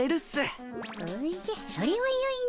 おじゃそれはよいの。